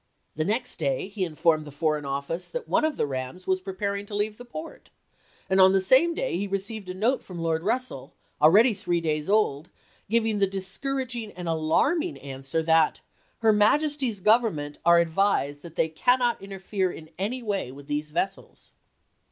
The next day he informed the Foreign Office that one of the rams was preparing to leave the port, and on the same day he received a note from Lord Russell, already three days old, giving the discouraging and alarming answer that " Her FOKEIGN EELATIONS IN 1863 259 Majesty's Government are advised that they can chap.x. not interfere in any way with these vessels."